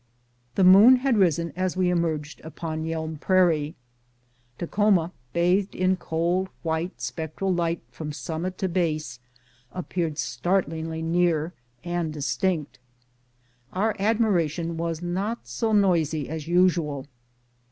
The moon had risen as we emerged upon Yelm rrairie ; Takhoma, bathed in cold, white, spectral light from summit to base, ap peared startlingly near and distinct. Our admiration was not so noisy as usual.